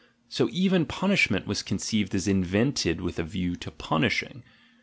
So even punishment was conceived as invented with a view to punishing.